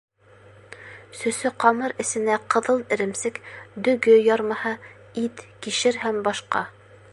Сөсө ҡамыр эсенә ҡыҙыл эремсек, дөгө ярмаһы, ит, кишер һәм башҡа